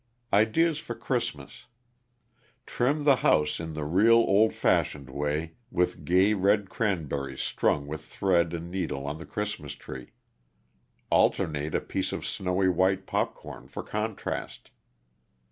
Ideas for Christmas Trim the house in the real old fashioned way with gay red cranberries strung with thread and needle on the Christmas tree. Alternate a piece of snowy white popcorn for contrast.